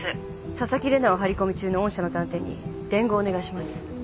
紗崎玲奈を張り込み中の御社の探偵に伝言お願いします。